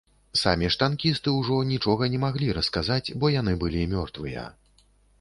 Самі ж танкісты ўжо нічога не маглі расказаць, бо яны былі мёртвыя.